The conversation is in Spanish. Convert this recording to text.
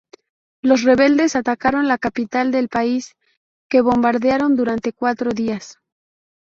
Los rebeldes atacaron la capital del país, que bombardearon durante cuatro días.